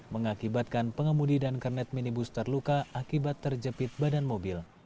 mengakibatkan pengemudi dan kernet minibus terluka akibat terjepit badan mobil